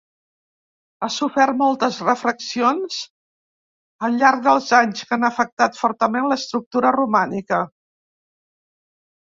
Ha sofert moltes refeccions al llarg dels anys que han afectat fortament l'estructura romànica.